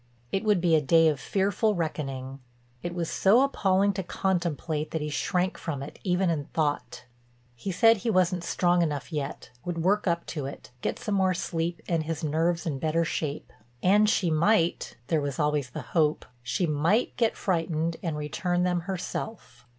It would be a day of fearful reckoning; it was so appalling to contemplate that he shrank from it even in thought. He said he wasn't strong enough yet, would work up to it, get some more sleep and his nerves in better shape. And she might—there was always the hope—she might get frightened and return them herself.